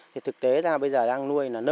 thì thực tế ra bây giờ đang nuôi là nơi